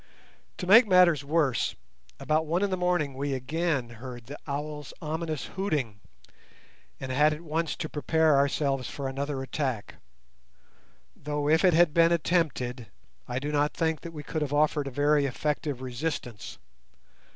To make matters worse, about one in the morning we again heard the owl's ominous hooting, and had at once to prepare ourselves for another attack; though, if it had been attempted, I do not think that we could have offered a very effective resistance.